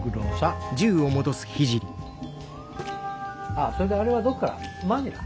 ああそれであれはどっから？